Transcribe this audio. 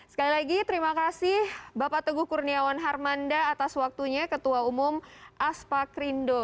sekali lagi terima kasih bapak teguh kurniawan harmanda atas waktunya ketua umum aspak rindo